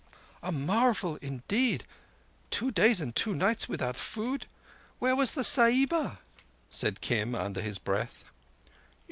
"A marvel indeed. Two days and two nights without food! Where was the Sahiba?" said Kim under his breath.